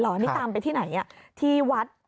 นี่ตามไปที่ไหนที่วัด